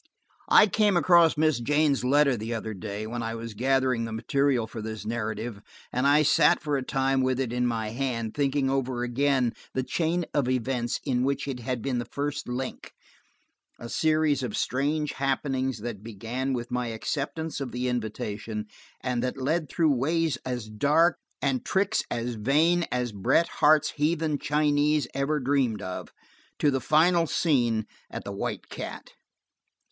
I came across Miss Jane's letter the other day, when I was gathering the material for this narrative, and I sat for a time with it in my hand thinking over again the chain of events in which it had been the first link, a series of strange happenings that began with my acceptance of the invitation, and that led through ways as dark and tricks as vain as Bret Harte's Heathen Chinese ever dreamed of, to the final scene at the White Cat.